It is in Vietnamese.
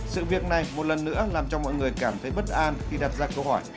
sự việc này một lần nữa làm cho mọi người cảm thấy bất an khi đặt ra câu hỏi